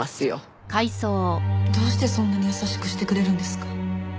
どうしてそんなに優しくしてくれるんですか？